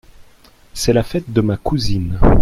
C’est la fête de ma cousine.